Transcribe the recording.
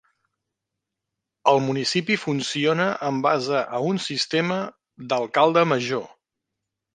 El municipi funciona en base a un sistema "d'alcalde major".